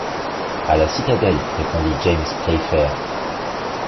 À la citadelle, répondit James Playfair.